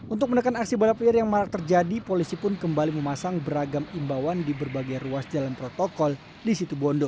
untuk menekan aksi balap liar yang marak terjadi polisi pun kembali memasang beragam imbauan di berbagai ruas jalan protokol di situ bondo